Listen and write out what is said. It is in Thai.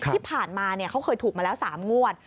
ที่ผ่านมาเขาเคยถูกมาแล้ว๓งวด